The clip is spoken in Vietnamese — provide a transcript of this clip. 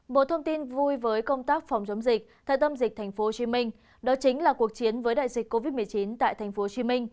một thông tin vui với công tác phòng chống dịch tại tâm dịch tp hcm đó chính là cuộc chiến với đại dịch covid một mươi chín tại tp hcm